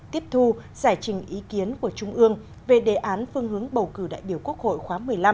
tiếp thu giải trình ý kiến của trung ương về đề án phương hướng bầu cử đại biểu quốc hội khóa một mươi năm